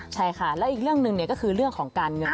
ใช่ค่ะแล้วอีกเรื่องหนึ่งก็คือเรื่องของการเงิน